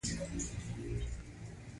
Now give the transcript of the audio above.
جذامیانو اجازه نه لرله چې بازار ته لاړ شي.